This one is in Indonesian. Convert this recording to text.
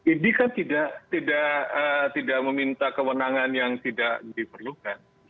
idi kan tidak meminta kewenangan yang tidak diperlukan